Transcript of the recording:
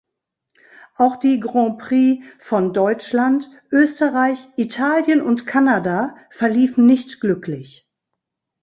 Auch die Grand Prix von Deutschland, Österreich, Italien und Kanada verliefen nicht glücklich.